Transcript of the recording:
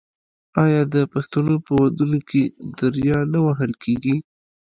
آیا د پښتنو په ودونو کې دریا نه وهل کیږي؟